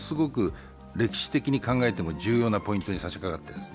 歴史的に考えても重要なポイントに差しかかっているんです。